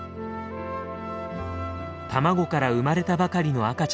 卵から生まれたばかりの赤ちゃんです。